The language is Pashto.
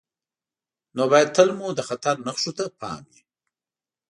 نو باید تل مو د خطر نښو ته پام وي.